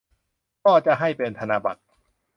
ก็จะให้เป็นธนบัตร